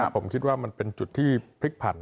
ผมคิดว่ามันเป็นจุดที่พลิกผัน